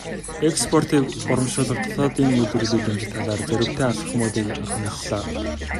Экспортыг урамшуулах, дотоодын үйлдвэрлэлийг дэмжих талаар дорвитой алхмуудыг амлалаа.